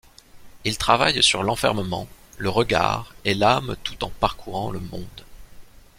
Il travaille sur l'enfermement, le regard et l'âme tout en parcourant le monde.